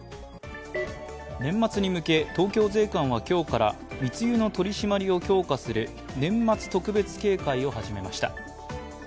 年末に向け、東京税関は今日から密輸の取り締まりを強化する年末特別警戒を始めました。